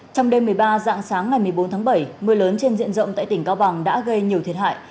trong đêm một mươi ba dạng sáng ngày một mươi bốn tháng bảy mưa lớn trên diện rộng tại tỉnh cao bằng đã gây nhiều thiệt hại